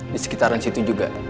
di sekitaran situ juga